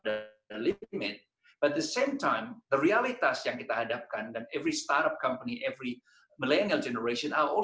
tetapi pada saat yang sama realitas yang kita hadapkan dan setiap perusahaan startup setiap generasi milenial